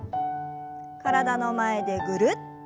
体の前でぐるっと。